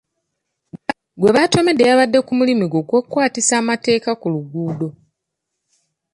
Gwe baatomedde yabadde ku mirimu gye egy'okukwasisa amateeka ku luguudo.